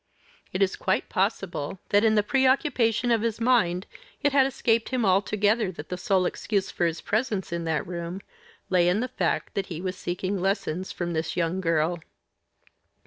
It is quite possible that in the preoccupation of his mind it had escaped him altogether that the sole excuse for his presence in that room lay in the fact that he was seeking lessons from this young girl.